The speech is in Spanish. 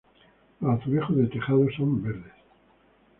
Los azulejos de tejado son verdes.